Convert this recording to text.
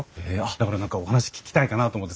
だから何かお話聞きたいかなと思って連れてきました。